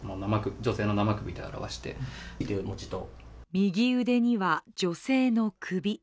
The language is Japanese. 右腕には女性の首。